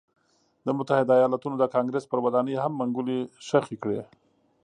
د متحده ایالتونو د کانګرېس پر ودانۍ هم منګولې خښې کړې.